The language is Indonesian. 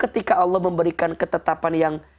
ketika allah memberikan ketetapan yang